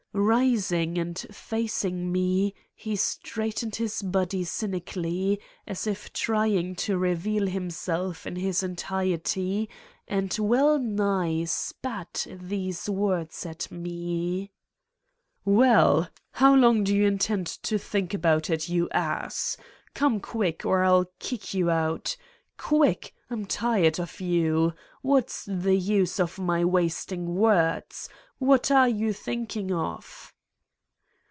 Eising and facing me, he straightened his body cynically, as if trying to reveal himself in his entirety, and well nigh spat these words at me : 250 Satan's Diary "Well? How long do you intend to think about it, you ass? Come, quick, or I'll kick you out! Quick! I'm tired of you! What's the use of my wasting words? What are you thinking of?"